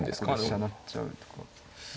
飛車成っちゃうとかですか。